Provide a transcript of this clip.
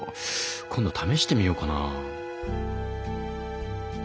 今度試してみようかな。